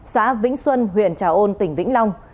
xã vĩnh xuân huyện trà ôn tỉnh vĩnh long